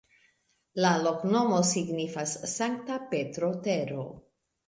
La loknomo signifas Sankta Petro-tero.